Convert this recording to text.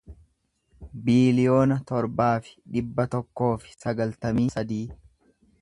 biiliyoona torbaa fi dhibba tokkoo fi sagaltamii sadii